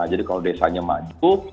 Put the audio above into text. jadi kalau desanya maju